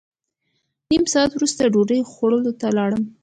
نیم ساعت وروسته ډوډۍ خوړلو ته لاړم.